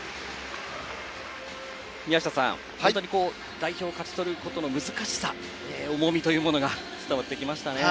代表を勝ち取ることの難しさ、重みが伝わってきましたね。